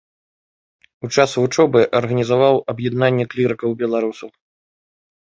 У час вучобы арганізаваў аб'яднанне клірыкаў-беларусаў.